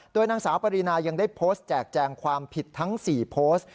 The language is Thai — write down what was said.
โดยนางสาวปรินายังได้โพสต์แจกแจงความผิดทั้ง๔โพสต์